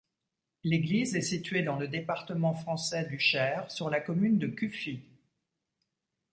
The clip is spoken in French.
L'église est située dans le département français du Cher, sur la commune de Cuffy.